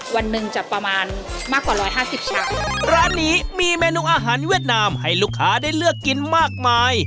วันหนึ่งจะประมาณมากกว่าร้อยห้าสิบชามร้านนี้มีเมนูอาหารเวียดนามให้ลูกค้าได้เลือกกินมากมาย